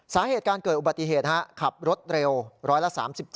สาเหตุการเกิดอุบัติเหตุขับรถเร็วร้อยละ๓๗